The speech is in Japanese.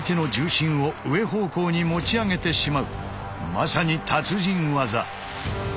まさに達人技。